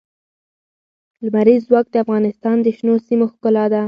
لمریز ځواک د افغانستان د شنو سیمو ښکلا ده.